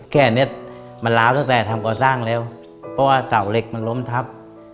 แค่เนี้ยมันล้าวตั้งแต่ทำก่อสร้างแล้วเพราะว่าเสาเหล็กมันล้มทับ